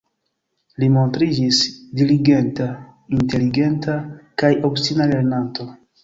Li montriĝis diligenta, inteligenta kaj obstina lernanto.